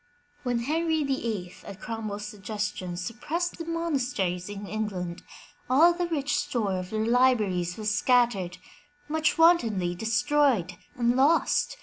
When Henry VIII, at CromwelFs suggestion, suppressed the monasteries in England, all the rich store of their libraries was scattered, much wantonly destroyed and lost.